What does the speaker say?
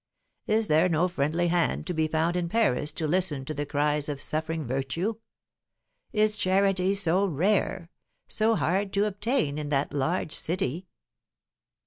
Is there no friendly hand to be found in Paris to listen to the cries of suffering virtue? Is charity so rare, so hard to obtain in that large city?"